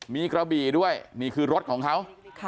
มีกระบี่ด้วยนี่คือรถของเขา